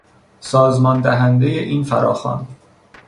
سازمان دهندهی این فراخوان